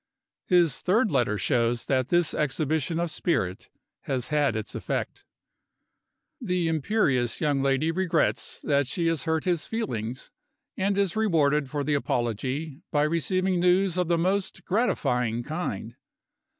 His third letter shows that this exhibition of spirit has had its effect. The imperious young lady regrets that she has hurt his feelings, and is rewarded for the apology by receiving news of the most gratifying kind.